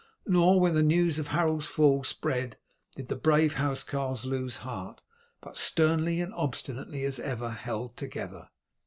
Nor, when the news of Harold's fall spread, did the brave housecarls lose heart, but sternly and obstinately as ever held together.